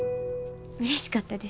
うれしかったです。